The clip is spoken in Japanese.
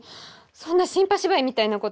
そんな新派芝居みたいなこと。